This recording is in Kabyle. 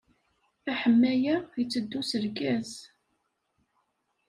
Aḥemmay-a itteddu s lgaz.